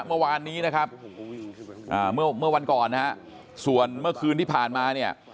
เมื่อวานนี้นะครับอ่าเมื่อเมื่อวันก่อนนะฮะส่วนเมื่อคืนที่ผ่านมาเนี่ย